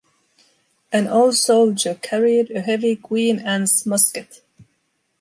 An old soldier carried a heavy Queen Anne's musket.